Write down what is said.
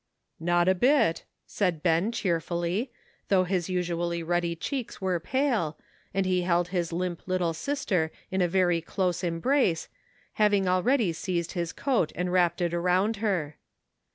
" Not a bit," said Ben cheerfully, though his Usually ruddy cheeks were pale, and he held his limp little sister in a very close embrace, having already seized his coat and wrapped it around her.